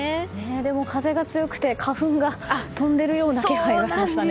でも、風が強くて花粉が飛んでいるようなそうなんですよね。